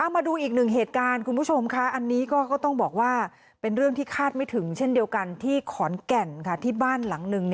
มาดูอีกหนึ่งเหตุการณ์คุณผู้ชมค่ะอันนี้ก็ต้องบอกว่าเป็นเรื่องที่คาดไม่ถึงเช่นเดียวกันที่ขอนแก่นที่บ้านหลังหนึ่ง